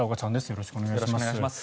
よろしくお願いします。